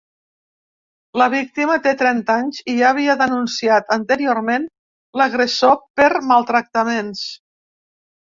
La víctima té trenta anys i ja havia denunciat anteriorment l’agressor per maltractaments.